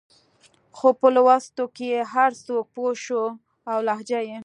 خو په لوستو کې هر څوک پوه شه او لهجه يې